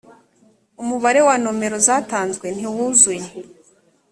umubare wa nomero zatanzwe ntiwuzuye